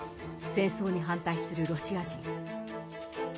戦争に反対するロシア人。